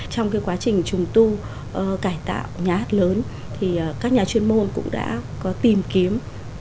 trong quá trình trùng tu cải tạo nhà hát lớn thì các nhà chuyên môn cũng đã có tìm kiếm